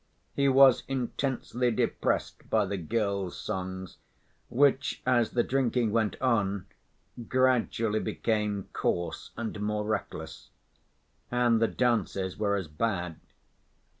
He was intensely depressed by the girls' songs, which, as the drinking went on, gradually became coarse and more reckless. And the dances were as bad.